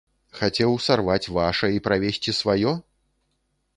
Хацеў сарваць ваша і правесці сваё?